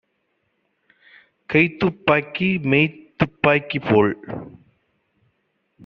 கைத்துப் பாக்கி மெய்த்துப் பாக்கிபோல்